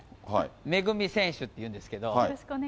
めぐみ選手っていうんですけど。